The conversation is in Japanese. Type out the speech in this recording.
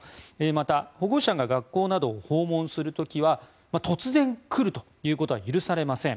また、保護者が学校などを訪問する時は突然来るということは許されません。